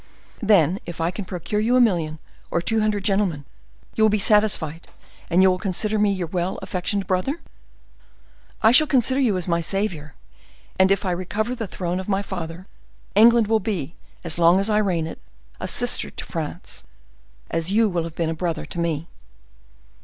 "Then if I can procure you a million, or two hundred gentlemen, you will be satisfied; and you will consider me your well affectioned brother?" "I shall consider you as my saviour; and if I recover the throne of my father, England will be, as long as I reign it, a sister to France, as you will have been a brother to me."